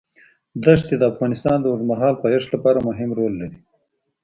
ښتې د افغانستان د اوږدمهاله پایښت لپاره مهم رول لري.